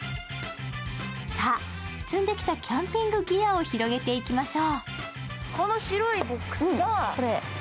さあ、積んできたキャンピングギアを広げていきましょう。